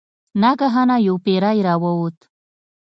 ناګهانه یو پیری راووت.